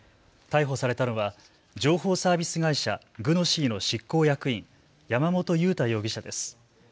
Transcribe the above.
逮捕されたのは情報サービス会社、グノシーの執行役員、山本裕太容疑者です。